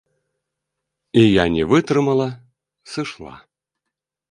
І я не вытрымала, сышла.